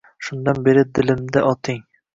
Shundan beri dilimda oting.